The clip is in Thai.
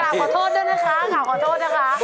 ขอโทษด้วยนะคะค่ะขอโทษนะคะ